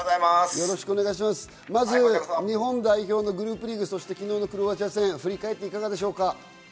まず、日本代表のグループリーグ、そして昨日のクロアチア戦、振り返っていかがでしょうか？